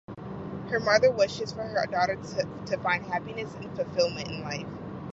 Her mother wishes for her daughter to find happiness and fulfillment in life.